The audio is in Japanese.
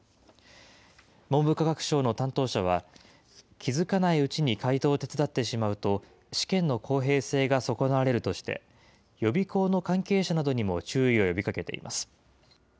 文部科学省の担当者は、気付かないうちに解答を手伝ってしまうと、試験の公平性が損なわれるとして、予備校の関係者などにも注意を呼びかけています。